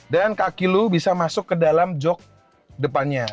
dan kaki lu bisa masuk ke dalam jok depannya